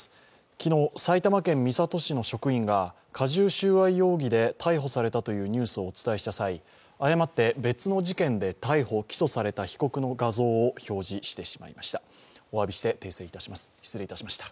昨日、埼玉県三郷市の職員が加重収賄容疑で逮捕されたというニュースをお伝えした際誤って、別の事件で逮捕・起訴された被告の画像を表示してしまいました。